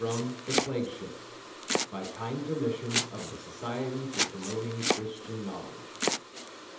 * *FROM "THE PLAGUE SHIP."* (_By kind permission of the Society for Promoting Christian Knowledge.